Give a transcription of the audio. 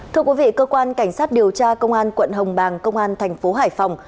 thưa quý vị cơ quan cảnh sát điều tra công an quận hồng bàng công an thành phố hải phòng